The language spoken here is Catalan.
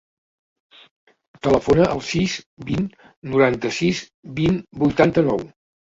Telefona al sis, vint, noranta-sis, vint, vuitanta-nou.